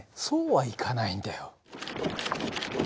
そうはいかないんだよ。